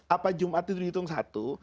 apa jumat itu dihitung satu